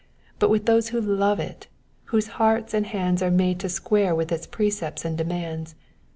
but with those who love it, whose hearts and hands are ipade to square with its precepts and demands.